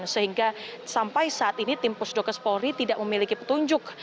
sehingga sampai saat ini tim pusdokes polri tidak memiliki petunjuk